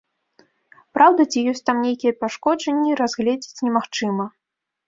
Праўда, ці ёсць там нейкія пашкоджанні, разгледзець немагчыма.